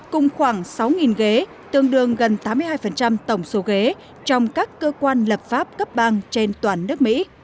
cùng khoảng sáu ghế tương đương gần tám mươi hai tổng số ghế trong các cơ quan lập pháp cấp bang trên toàn nước mỹ